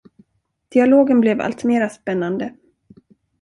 Dialogen blev alltmera spännande.